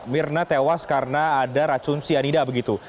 mirna tewas karena ada racun cyanida begitu